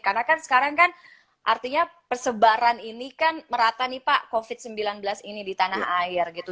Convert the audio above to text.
karena kan sekarang kan artinya persebaran ini kan merata nih pak covid sembilan belas ini di tanah air gitu